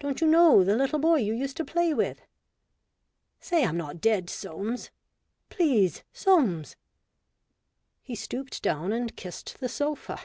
Don't you know the little boy you used to play with ? Say I'm not dead, Soames, please, Soames !" He stooped down and kissed the sofa.